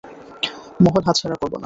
মহল হাতছাড়া করবো না।